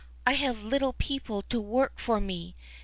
I have little people to work for me.